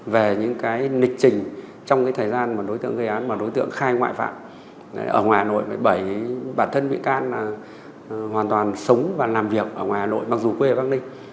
về những cái lịch trình trong cái thời gian mà đối tượng gây án mà đối tượng khai ngoại phạm ở hà nội với bảy bản thân bị can là hoàn toàn sống và làm việc ở hà nội mặc dù quê ở bắc ninh